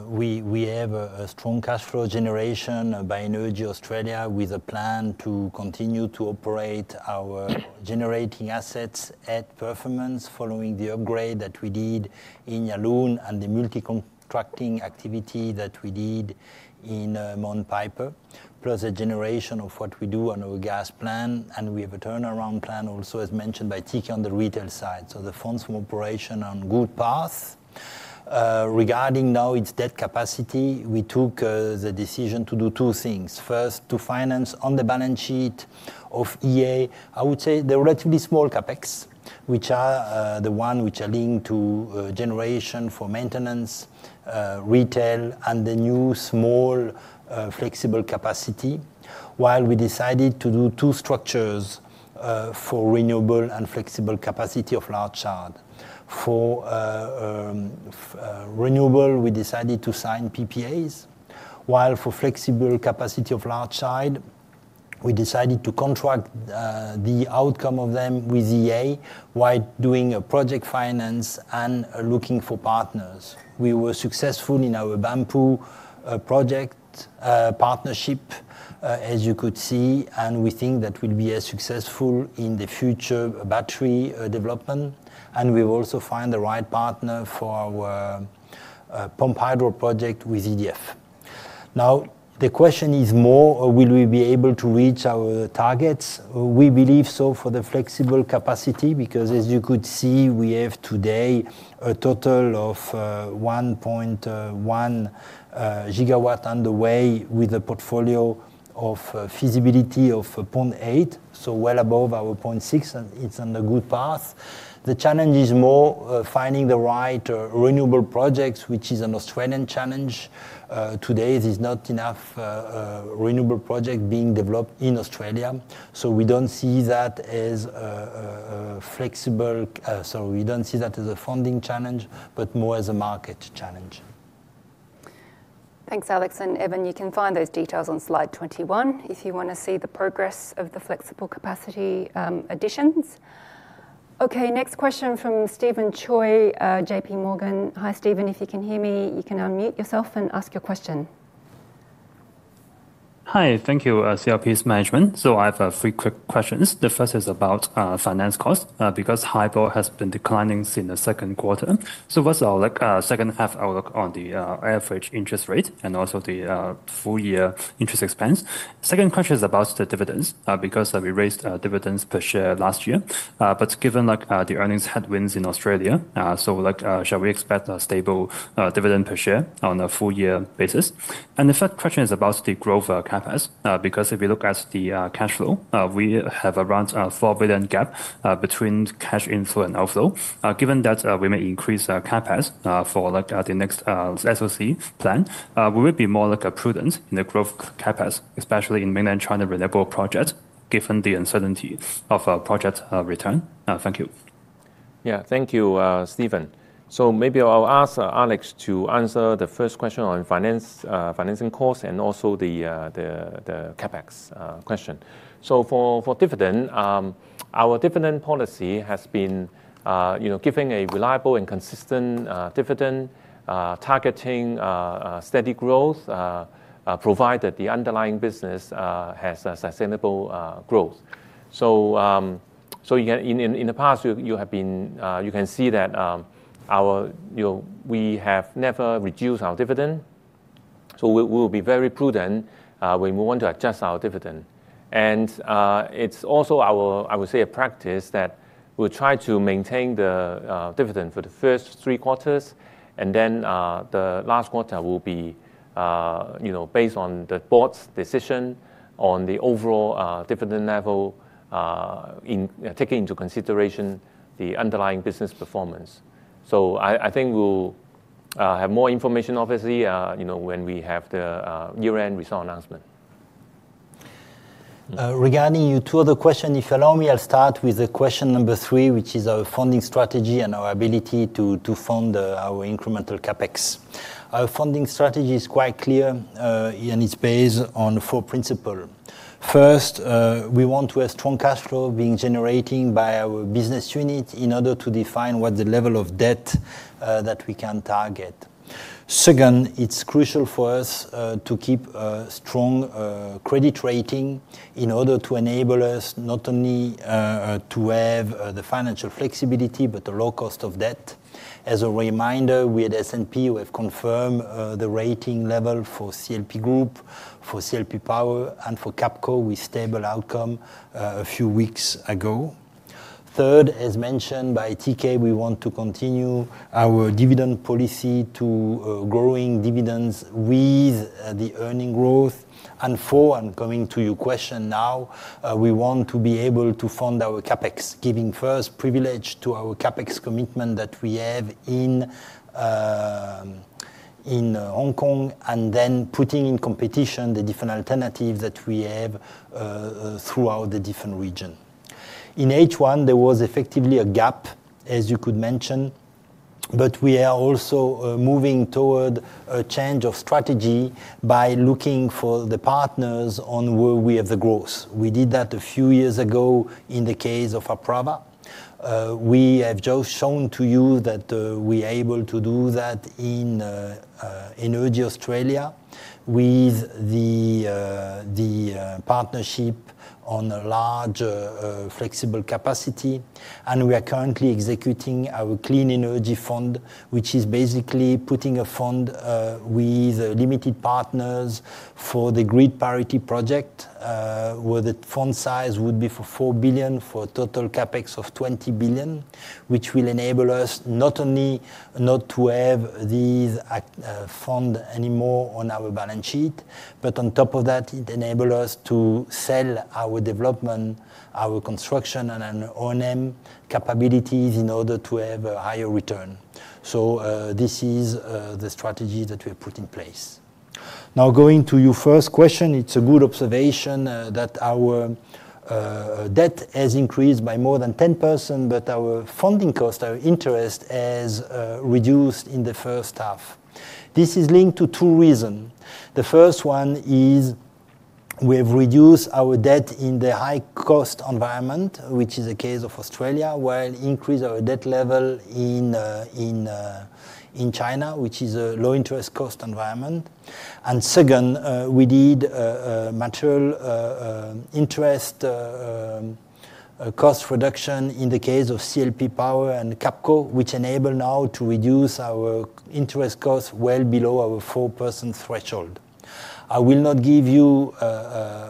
C: we have a strong cash flow generation by EnergyAustralia with a plan to continue to operate our generating assets at performance following the upgrade that we did in Yallourn and the multi-contracting activity that we did in Mount Piper, plus a generation of what we do on our gas plan. We have a turnaround plan also, as mentioned by T.K. on the retail side. The funds for operation are on a good path. Regarding now its debt capacity, we took the decision to do two things. First, to finance on the balance sheet of EA, I would say the relatively small CapEx, which are the ones which are linked to generation for maintenance, retail, and the new small flexible capacity, while we decided to do two structures for renewable and flexible capacity of large yard. For renewable, we decided to sign PPAs, while for flexible capacity of large yard, we decided to contract the outcome of them with EA while doing a project finance and looking for partners. We were successful in our Banpu project partnership, as you could see, and we think that would be successful in the future battery development. We've also found the right partner for our Pumped Hydro Project with EDF. Now, the question is more, will we be able to reach our targets? We believe so for the flexible capacity, because as you could see, we have today a total of 1.1 GW underway with a portfolio of feasibility of 0.8 GW, so well above our 0.6 GW. It's on a good path. The challenge is more finding the right renewable projects, which is an Australian challenge. Today, there's not enough renewable projects being developed in Australia. We don't see that as a funding challenge, but more as a market challenge.
A: Thanks, Alex and Evan. You can find those details on slide 21 if you want to see the progress of the flexible capacity additions. OK, next question from Stephen Tsui at JPMorgan. Hi, Stephen. If you can hear me, you can unmute yourself and ask your question.
F: Hi, thank you, CLP's management. I have three quick questions. The first is about finance costs, because high ball has been declining since the second quarter. What's our second half outlook on the average interest rate and also the full-year interest expense? The second question is about the dividends, because we raised dividends per share last year. Given the earnings headwinds in Australia, shall we expect a stable dividend per share on a full-year basis? The third question is about the growth CapEx, because if we look at the cash flow, we have around a $4 billion gap between cash inflow and outflow. Given that we may increase CapEx for the next SOC plan, will it be more prudent in the growth CapEx, especially in Mainland China reliable projects, given the uncertainty of project return? Thank you.
B: Yeah, thank you, Stephen. Maybe I'll ask Alex to answer the first question on financing costs and also the CapEx question. For dividend, our dividend policy has been giving a reliable and consistent dividend, targeting steady growth, provided the underlying business has sustainable growth. In the past, you can see that we have never reduced our dividend. We will be very prudent when we want to adjust our dividend. It is also, I would say, a practice that we'll try to maintain the dividend for the first three quarters, and then the last quarter will be based on the board's decision on the overall dividend level, taking into consideration the underlying business performance. I think we'll have more information, obviously, when we have the year-end result announcement.
C: Regarding your two other questions, if you allow me, I'll start with question number three, which is our funding strategy and our ability to fund our incremental CapEx. Our funding strategy is quite clear, and it's based on four principles. First, we want to have strong cash flow being generated by our business unit in order to define what the level of debt that we can target. Second, it's crucial for us to keep a strong credit rating in order to enable us not only to have the financial flexibility, but a low cost of debt. As a reminder, S&P have confirmed the rating level for CLP Group, for CLP Power, and for CAPCO with stable outcome a few weeks ago. Third, as mentioned by T.K., we want to continue our dividend policy to growing dividends with the earning growth. Fourth, and coming to your question now, we want to be able to fund our CapEx, giving first privilege to our CapEx commitment that we have in Hong Kong, and then putting in competition the different alternatives that we have throughout the different regions. In H1, there was effectively a gap, as you could mention, but we are also moving toward a change of strategy by looking for the partners on where we have the growth. We did that a few years ago in the case of Apraava. We have just shown to you that we are able to do that in EnergyAustralia with the partnership on a large flexible capacity. We are currently executing our clean energy fund, which is basically putting a fund with limited partners for the grid parity project, where the fund size would be $4 billion for a total CapEx of $20 billion, which will enable us not only not to have these funds anymore on our balance sheet, but on top of that, it enables us to sell our development, our construction, and O&M capabilities in order to have a higher return. This is the strategy that we have put in place. Now, going to your first question, it's a good observation that our debt has increased by more than 10%, but our funding cost, our interest, has reduced in the first half. This is linked to two reasons. The first one is we have reduced our debt in the high-cost environment, which is the case of Australia, while increasing our debt level in China, which is a low-interest cost environment. Second, we did a material interest cost reduction in the case of CLP Power and CAPCO, which enables now to reduce our interest costs well below our 4% threshold. I will not give you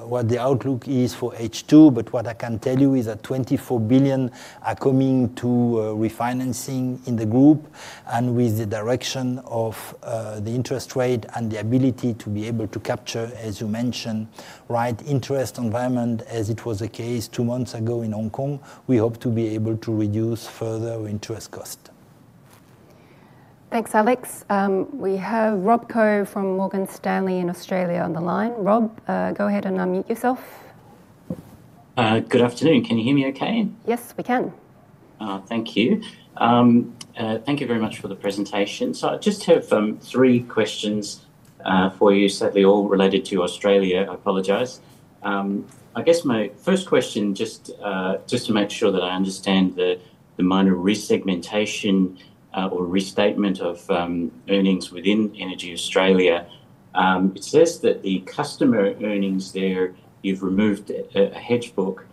C: what the outlook is for H2, but what I can tell you is that 24 billion are coming to refinancing in the group. With the direction of the interest rate and the ability to be able to capture, as you mentioned, the right interest environment, as it was the case two months ago in Hong Kong, we hope to be able to reduce further interest costs.
A: Thanks, Alex. We have Rob Coro from Morgan Stanley in Australia on the line. Rob, go ahead and unmute yourself.
G: Good afternoon. Can you hear me OK?
A: Yes, we can.
G: Thank you. Thank you very much for the presentation. I just have three questions for you, sadly all related to Australia. I apologize. I guess my first question, just to make sure that I understand the minor resegmentation or restatement of earnings within EnergyAustralia, it says that the customer earnings there, you've removed a hedge book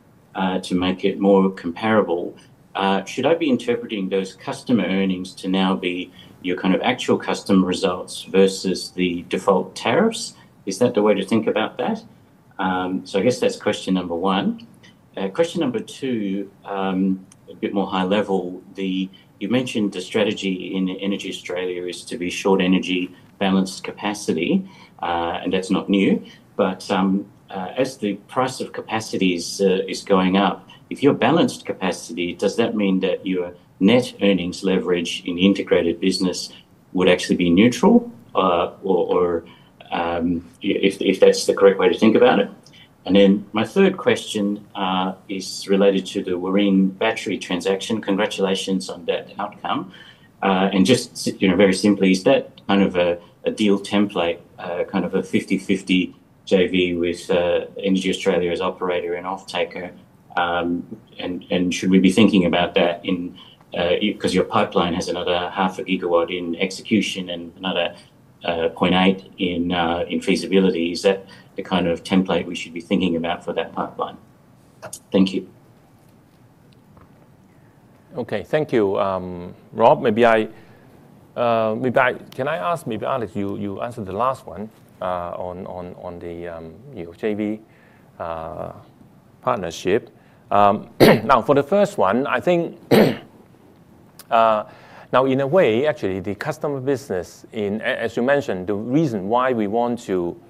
G: to make it more comparable. Should I be interpreting those customer earnings to now be your kind of actual customer results versus the default tariffs? Is that the way to think about that? That's question number one. Question number two, a bit more high level, you mentioned the strategy in EnergyAustralia is to be short energy balanced capacity, and that's not new. As the price of capacity is going up, if you're balanced capacity, does that mean that your net earnings leverage in the integrated business would actually be neutral, or is that the correct way to think about it? My third question is related to the Boreen Battery Transaction. Congratulations on that outcome. Very simply, is that kind of a deal template, kind of a 50/50 JV with EnergyAustralia as operator and offtaker. Should we be thinking about that because your pipeline has another 0.5 GW in execution and another 0.8 GW in feasibility? Is that the kind of template we should be thinking about for that pipeline? Thank you.
B: OK, thank you, Rob. Can I ask, maybe Alex, you answered the last one on the JV partnership. Now, for the first one, I think now, in a way, actually, the customer business, as you mentioned, the reason why we want to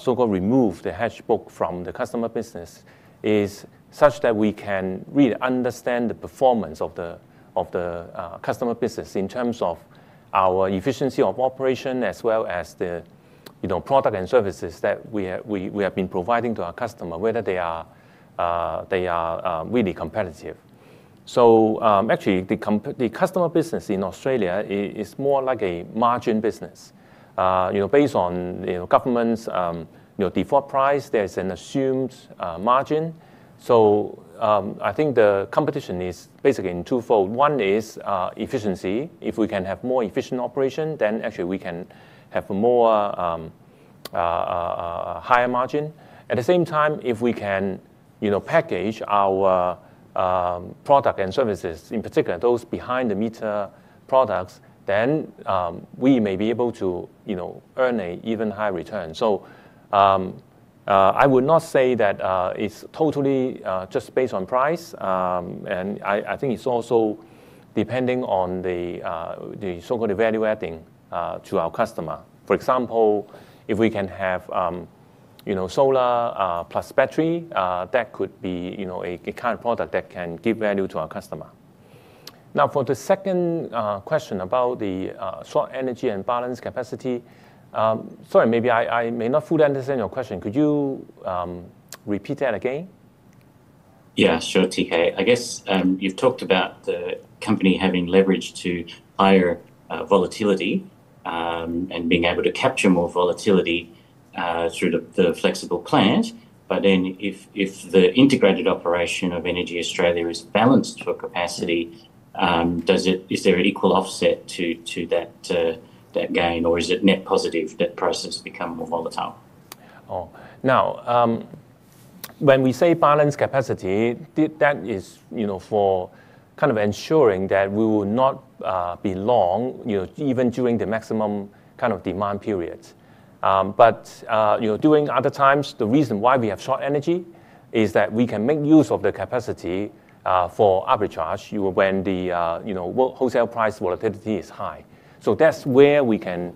B: so-called remove the Hedge Book from the customer business is such that we can really understand the performance of the customer business in terms of our efficiency of operation, as well as the product and services that we have been providing to our customers, whether they are really competitive. Actually, the customer business in Australia is more like a margin business. Based on government's default price, there's an assumed margin. I think the competition is basically in two fold. One is efficiency. If we can have more efficient operation, then actually we can have a higher margin. At the same time, if we can package our product and services, in particular those behind-the-meter products, then we may be able to earn an even higher return. I would not say that it's totally just based on price. I think it's also depending on the so-called value adding to our customer. For example, if we can have solar plus battery, that could be a current product that can give value to our customer. Now, for the second question about the Solar Energy and Balanced Capacity, sorry, maybe I may not fully understand your question. Could you repeat that again?
G: Yeah, sure, T.K. I guess you've talked about the company having leverage to higher volatility and being able to capture more volatility through the flexible plans. If the integrated operation of EnergyAustralia is balanced for capacity, is there an equal offset to that gain, or is it net positive that prices become more volatile?
B: Now, when we say balanced capacity, that is for kind of ensuring that we will not be long, even during the maximum kind of demand periods. During other times, the reason why we have short energy is that we can make use of the capacity for arbitrage when the wholesale price volatility is high. That's where we can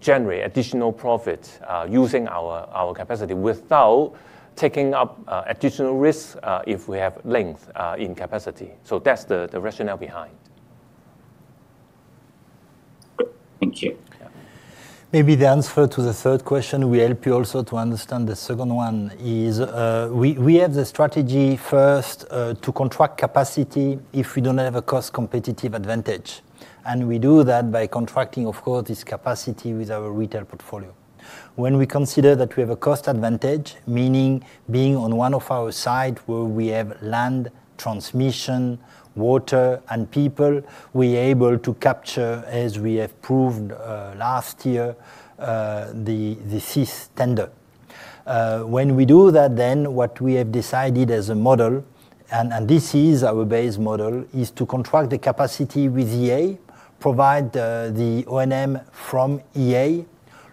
B: generate additional profit using our capacity without taking up additional risk if we have length in capacity. That's the rationale behind.
C: Maybe the answer to the third question will help you also to understand the second one. We have the strategy first to contract capacity if we don't have a cost-competitive advantage. We do that by contracting, of course, this capacity with our retail portfolio. When we consider that we have a cost advantage, meaning being on one of our sites where we have land, transmission, water, and people, we are able to capture, as we have proved last year, the cease tender. When we do that, what we have decided as a model, and this is our base model, is to contract the capacity with EA, provide the O&M from EA,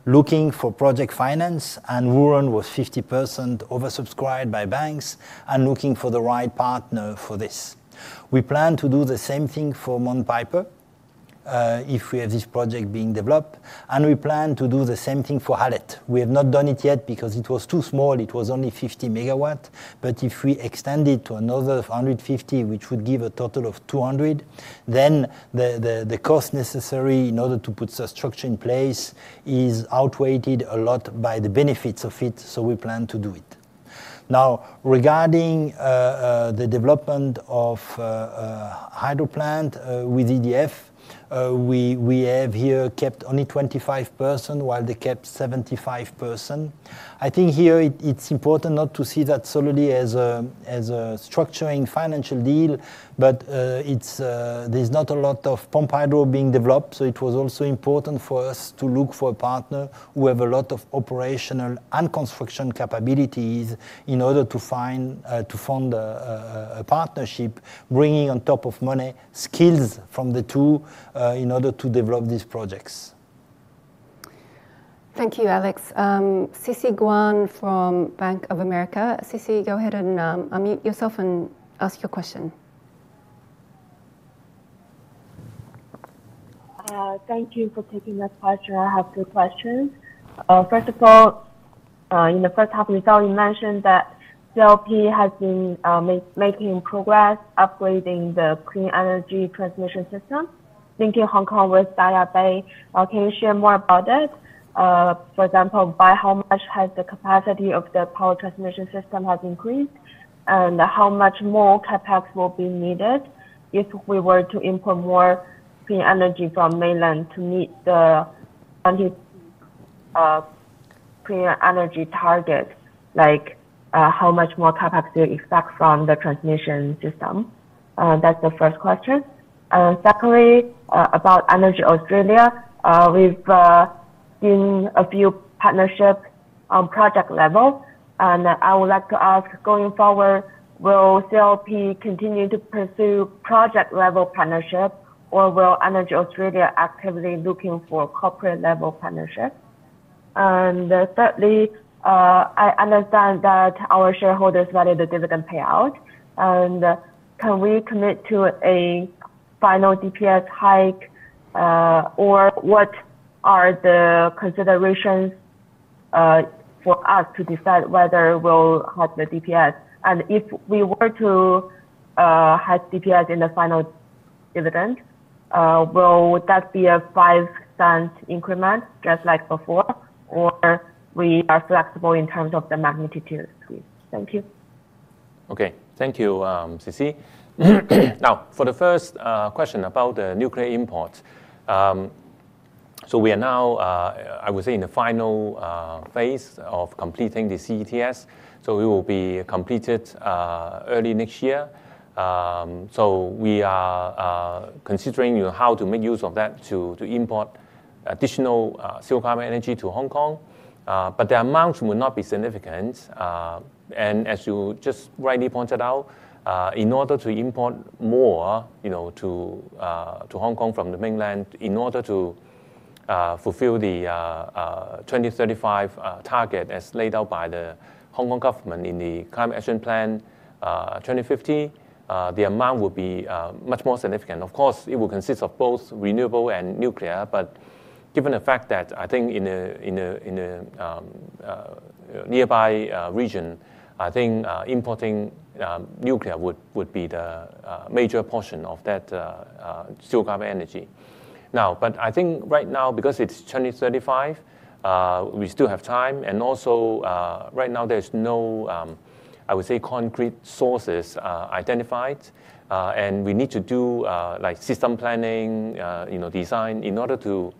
C: looking for project finance, and Warren was 50% oversubscribed by banks, and looking for the right partner for this. We plan to do the same thing for Mount Piper if we have this project being developed. We plan to do the same thing for Hallett. We have not done it yet because it was too small. It was only 50 MW. If we extend it to another 150 MW, which would give a total of 200 MW, the cost necessary in order to put such structure in place is outweighed a lot by the benefits of it. We plan to do it. Now, regarding the development of hydro plant with EDF, we have here capped only 25%, while they capped 75%. I think here it's important not to see that solely as a structuring financial deal, but there's not a lot of pumped hydro being developed. It was also important for us to look for a partner who has a lot of operational and construction capabilities in order to fund a partnership, bringing on top of money skills from the two in order to develop these projects.
A: Thank you, Alex. Cissy Guan from Bank of America. Cissy, go ahead and unmute yourself and ask your question.
H: Thank you for taking that question. I have two questions. First of all, in the first half result, you mentioned that CLP has been making progress upgrading the Clean Energy Transmission System linking Hong Kong with Diabei. Can you share more about that? For example, by how much has the capacity of the power transmission system increased, and how much more CapEx will be needed if we were to import more clean energy from Mainland to meet the Clean Energy target, like how much more CapEx will affect from the transmission system? That's the first question. Secondly, about EnergyAustralia, we've seen a few partnerships on project level. I would like to ask, going forward, will CLP continue to pursue project-level partnerships, or will EnergyAustralia actively look for corporate-level partnerships? Thirdly, I understand that our shareholders value the dividend payout. Can we commit to a final DPS hike, or what are the considerations for us to decide whether we'll have the DPS? If we were to have DPS in the final dividend, will that be a $0.05 increment just like before, or are we flexible in terms of the magnitude? Thank you.
B: OK, thank you, Cissy. Now, for the first question about the nuclear imports, we are now, I would say, in the final phase of completing the CETS. It will be completed early next year. We are considering how to make use of that to import additional zero-carbon energy to Hong Kong, but the amount will not be significant. As you just rightly pointed out, in order to import more to Hong Kong from the mainland to fulfill the 2035 target as laid out by the Hong Kong government in the Climate Action Plan 2050, the amount will be much more significant. Of course, it will consist of both renewable and nuclear. Given the fact that in the nearby region, importing nuclear would be the major portion of that zero-carbon energy. Right now, because it's 2035, we still have time. Also, right now, there's no concrete sources identified, and we need to do system planning design in order to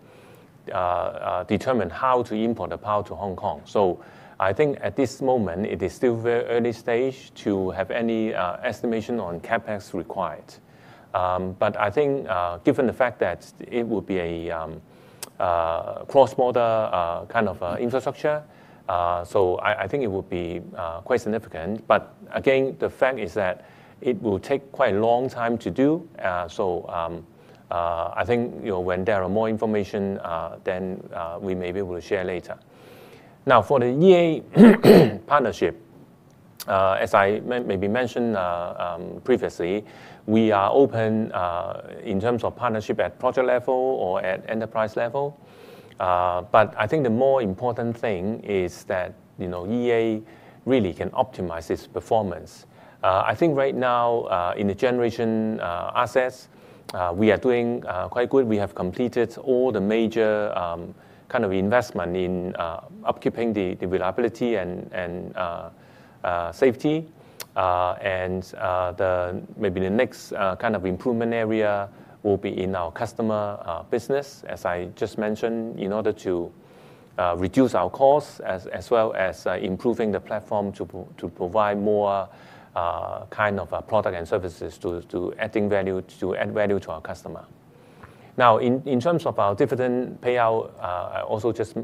B: determine how to import the power to Hong Kong. At this moment, it is still a very early stage to have any estimation on CapEx required. Given the fact that it will be a cross-border kind of infrastructure, it will be quite significant. Again, the fact is that it will take quite a long time to do. When there is more information, then we may be able to share later. Now, for the EA partnership, as I maybe mentioned previously, we are open in terms of partnership at project level or at enterprise level. The more important thing is that EA really can optimize its performance. Right now, in the generation assets, we are doing quite good. We have completed all the major kind of investments in upkeeping the reliability and safety. Maybe the next kind of improvement area will be in our customer business, as I just mentioned, in order to reduce our costs, as well as improving the platform to provide more kind of product and services to add value to our customers. In terms of our dividend payout, I also just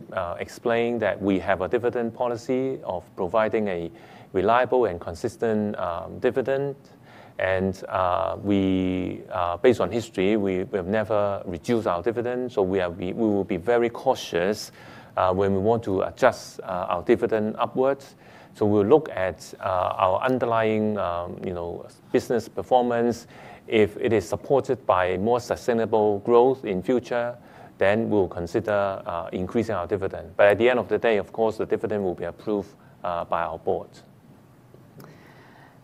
B: explained that we have a dividend policy of providing a reliable and consistent dividend. Based on history, we have never reduced our dividend. We will be very cautious when we want to adjust our dividend upwards. We'll look at our underlying business performance. If it is supported by more sustainable growth in the future, then we'll consider increasing our dividend. At the end of the day, of course, the dividend will be approved by our Board.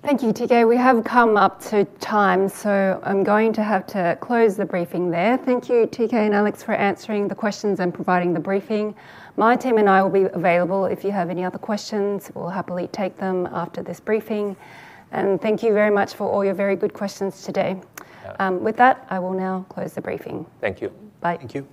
A: Thank you, T.K. We have come up to time, so I'm going to have to close the briefing there. Thank you, T.K. and Alex, for answering the questions and providing the briefing. My team and I will be available if you have any other questions. We'll happily take them after this briefing. Thank you very much for all your very good questions today. With that, I will now close the briefing.
B: Thank you.
A: Bye.
C: Thank you.